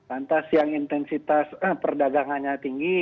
lantas yang intensitas perdagangannya tinggi